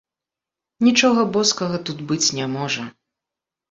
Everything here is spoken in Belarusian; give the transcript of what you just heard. Нічога боскага тут быць не можа.